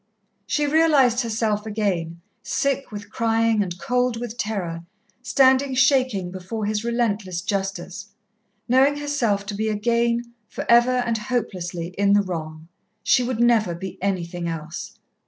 She realized herself again, sick with crying and cold with terror, standing shaking before his relentless justice, knowing herself to be again, for ever and hopelessly, in the wrong. She would never be anything else.